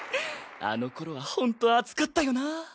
あの頃はホント熱かったよなぁ。